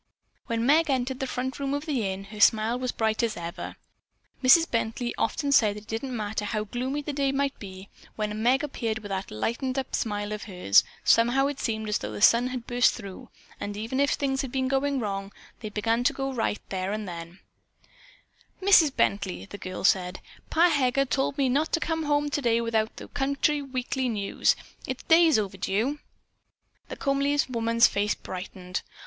When Meg entered the front room of the inn, her smile was as bright as ever. Mrs. Bently often said that it didn't matter how gloomy the day might be, when Meg appeared with "that lighten' up" smile of hers, somehow it seemed as though the sun had burst through, and even if things had been going wrong, they began to go right then and there. "Mrs. Bently," the girl said, "Pa Heger told me not to come home today without the County Weekly News. It's days overdue." The comely woman's face brightened.